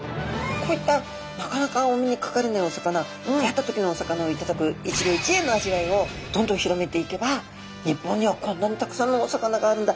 こういったなかなかお目にかかれないお魚出会った時のお魚を頂く一魚一会の味わいをどんどん広めていけば日本にはこんなにたくさんのお魚があるんだ。